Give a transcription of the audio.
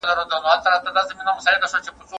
ميرويس خان نيکه ولي ناروغ سو؟